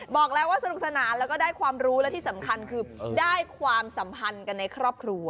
บอกแล้วว่าสนุกสนานแล้วก็ได้ความรู้และที่สำคัญคือได้ความสัมพันธ์กันในครอบครัว